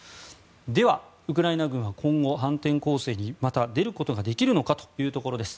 では、ウクライナ軍は今後反転攻勢にまた出ることができるのかというところです。